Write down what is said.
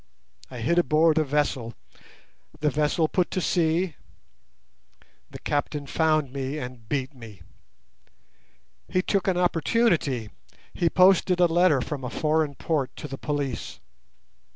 I hid aboard a vessel. The vessel put to sea. The captain found me and beat me. He took an opportunity. He posted a letter from a foreign port to the police.